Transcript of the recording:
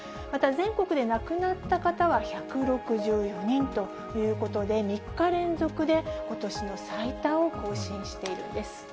また全国で亡くなった方は１６４人ということで、３日連続で、ことしの最多を更新しているんです。